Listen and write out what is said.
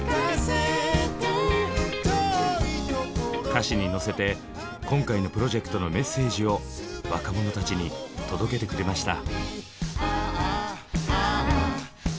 歌詞に乗せて今回のプロジェクトのメッセージを若者たちに届けてくれました。